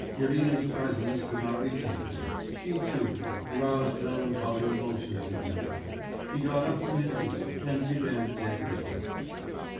Irina's presence could not retain him; she, too, aroused melancholy emotions in him. He got up from his seat and began to take leave.